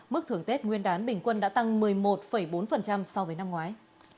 mức thưởng tết nguyên đán bình quân đã tăng một mươi một bốn so với năm ngoái